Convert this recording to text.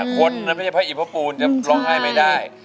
คนแต่ไม่ใช่พระอิทธิ์พระปูนอ่ะร้องไห้ไม่ได้